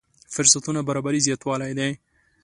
فرصتونو برابري زياتوالی دی.